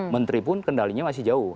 menteri pun kendalinya masih jauh